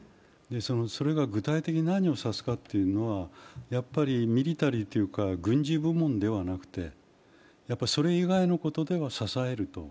それが具体的に何を指すかというのはミリタリーというか軍事部門ではなくて、それ以外のことでは支えると。